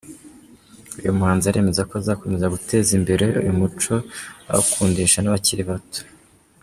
Uyu muhanzi aremeza ko azakomeza guteza imbere uyu muco awukundisha nabakiri bato.